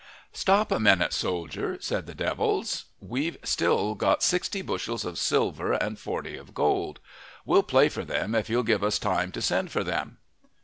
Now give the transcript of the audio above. "Stop a minute, soldier," said the devils, "we've still got sixty bushels of silver and forty of gold. We'll play for them if you'll give us time to send for them."